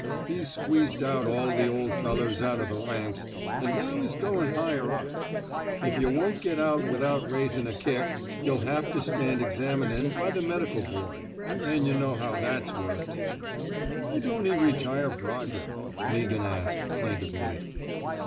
He's squeezed out all the old fellers out of the ranks, an' now he's goin' higher up. If yuh won't get out without raisin' a kick, yuh '11 have to stand examinin' by the 222 A QUESTION OF RETIREMENT medical board. An* yuh know how that's worked. '^'* Why don't he retire Brodrick? '' Mea ghan asked, plaintively.